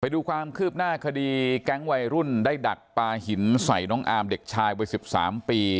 ดูความคืบหน้าคดีแก๊งวัยรุ่นได้ดักปลาหินใส่น้องอามเด็กชายวัย๑๓ปี